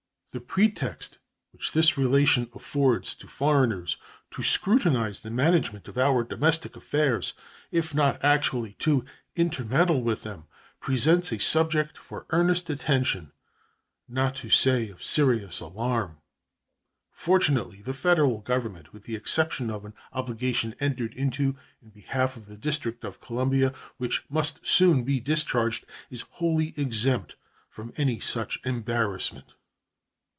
The pretext which this relation affords to foreigners to scrutinize the management of our domestic affairs, if not actually to intermeddle with them, presents a subject for earnest attention, not to say of serious alarm. Fortunately, the Federal Government, with the exception of an obligation entered into in behalf of the District of Columbia, which must soon be discharged, is wholly exempt from any such embarrassment.